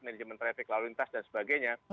manajemen traffic lalu lintas dan sebagainya